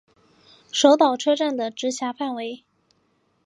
手稻车站的直辖范围。